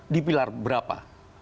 di pilar berapa